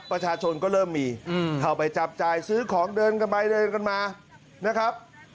ประชาชนก็เริ่มมีเข้าไปจับจ่ายซื้อของเดินกันไปเดินกันมานะครับ